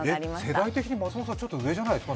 世代的に松本さんちょっと上じゃないですか？